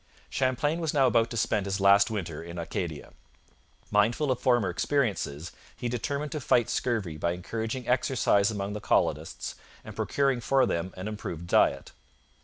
Champlain was now about to spend his last winter in Acadia. Mindful of former experiences, he determined to fight scurvy by encouraging exercise among the colonists and procuring for them an improved diet.